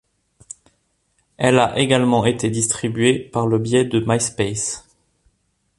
Elle a également été distribuée par le biais de Myspace.